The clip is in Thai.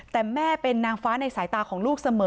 แต่แม่เป็นนางฟ้าในสายตาของลูกเสมอ